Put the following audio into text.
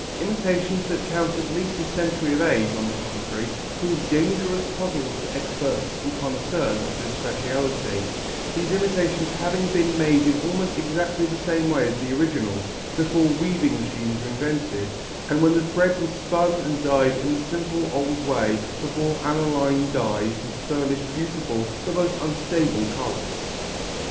Imitations that count at least a century of age, on the contrary, prove dangerous puzzles to experts and connoisseurs of this speciality, these imitations having been made in almost exactly the same way as the originals, before weaving machines were invented, and when the thread was spun and dyed in the simple old way before aniline dyes had furnished beautiful but most unstable colours.